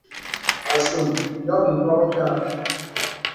Asùm yòm ìpɔk ìtàgà.